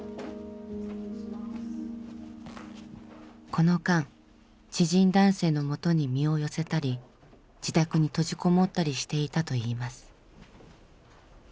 この間知人男性のもとに身を寄せたり自宅に閉じ籠もったりしていたといいます。